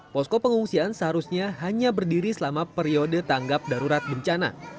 posko pengungsian seharusnya hanya berdiri selama periode tanggap darurat bencana